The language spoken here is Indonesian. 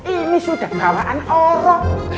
ini sudah bawaan orang